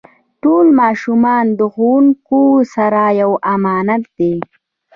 ټول ماشومان د ښوونکو سره یو امانت دی.